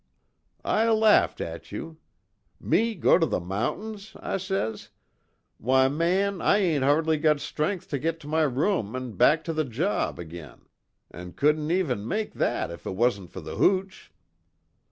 "I laughed at you. 'Me go to the mountains!' I says, 'Why man I ain't hardly got strength to get to my room an' back to the job again an' couldn't even make that if it wasn't for the hooch.'